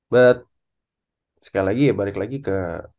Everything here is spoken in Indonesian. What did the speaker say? but sekali lagi ya balik lagi ke